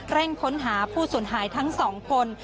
แร่งค้นหาผู้สนหายทั้ง๒คน